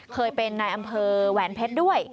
เคยเป็นนายอำเภอแหวนเพชรด้วย